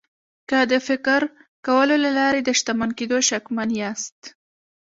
که د فکر کولو له لارې د شتمن کېدو شکمن یاست